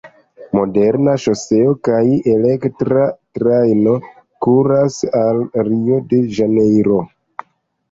Moderna ŝoseo kaj elektra trajno kuras al Rio-de-Ĵanejro.